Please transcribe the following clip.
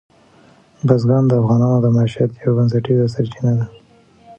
بزګان د افغانانو د معیشت یوه بنسټیزه سرچینه ده.